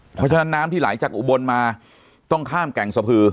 เพราะฉะนั้นน้ำที่ไหลจากอุบลมาต้องข้ามแก่งสะพือ